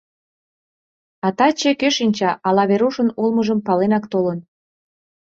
А таче, кӧ шинча, ала Верушын улмыжым паленак толын.